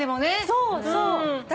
そうそう。